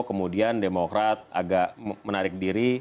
kemudian demokrat agak menarik diri